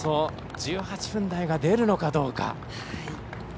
１８分台が出るのかどうか。